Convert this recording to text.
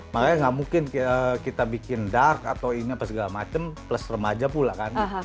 makanya nggak mungkin kita bikin dark atau ini apa segala macam plus remaja pula kan